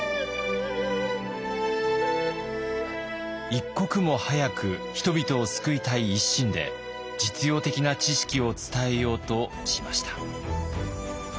一刻も早く人々を救いたい一心で実用的な知識を伝えようとしました。